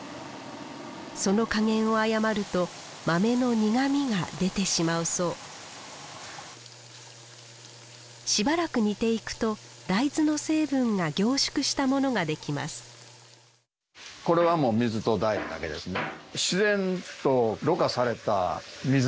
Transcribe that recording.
その加減を誤ると豆の苦みが出てしまうそうしばらく煮ていくと大豆の成分が凝縮したものができます